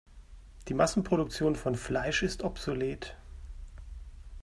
Die Massenproduktion von Fleisch ist obsolet.